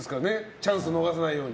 チャンスを逃さないように。